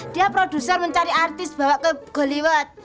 dia produser mencari artis bawa ke gollywood